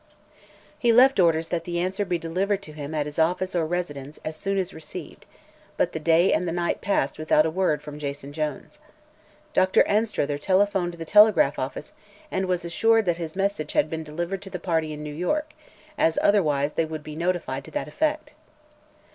He left orders that the answer be delivered to him at his office or residence, as soon as received, but the day and the night passed without a word from Jason Jones. Dr. Anstruther telephoned the telegraph office and was assured his message had been delivered to the party in New York, as otherwise they would be notified to that effect.